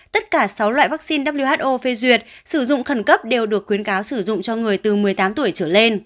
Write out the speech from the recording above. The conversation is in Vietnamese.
tất cả sáu loại vaccine who phê duyệt sử dụng khẩn cấp đều được khuyến cáo sử dụng cho người từ một mươi tám tuổi trở lên